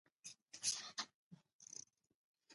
د بولان پټي د افغانستان د صادراتو برخه ده.